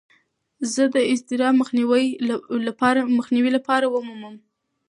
زه باید د اضطراب مخنیوي لپاره لارې ومومم.